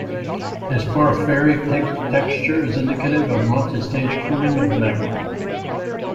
This porphyritic texture is indicative of multi-stage cooling of magma.